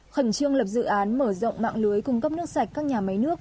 khẩn trương lập dự án mở rộng mạng lưới cung cấp nước sạch các nhà máy nước